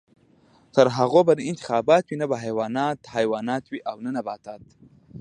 تر هغو به نه انتخابات وي، نه به حیوانات حیوانات وي او نه نباتات.